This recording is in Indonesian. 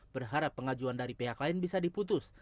berharap pengajuan dari pihak lain bisa diputus